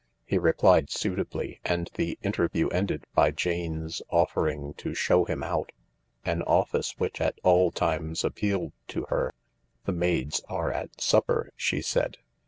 He replied suitably, and the interview ended by Jane's offering to show him out — an office which at all times appealed to her. "The maids are at supper," she said.